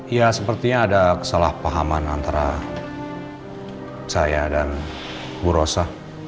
ya sepertinya ada kesalahpahaman antara saya dan bu rosa